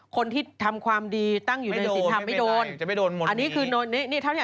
คนที่ทำความดีตั้งอยู่ในสินทราบไม่โดน